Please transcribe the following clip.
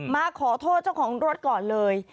มาขอโทษเจ้าของรถก่อนเลย